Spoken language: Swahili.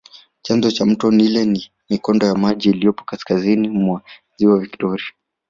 Chanzo cha mto nile ni mikondo ya maji iliyopo kaskazini mwa ziwa Victoria